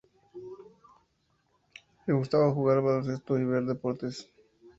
Le gustaba jugar al baloncesto y ver deportes.